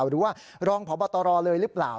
หรือว่ารองพบตรเลยหรือเปล่า